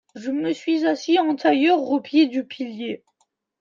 Je me suis assis en tailleur au pied du pilier.